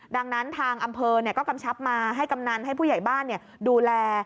ดังนั้นทางอำเภอก็กำชับมาให้กำนันให้ผู้ใหญ่บ้านดูแล